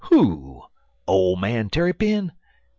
"Who? Ole man Tarrypin?